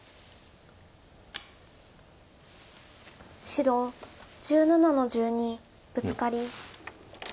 白１７の十二ブツカリ。